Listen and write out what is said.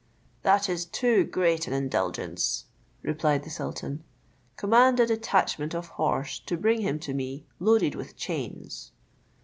"That is too great an indulgence," replied the sultan: "command a detachment of horse to bring him to me loaded with chains."